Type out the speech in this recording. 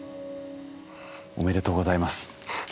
おめでとうございます。